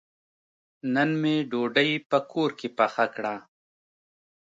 نن مې ډوډۍ په کور کې پخه کړه.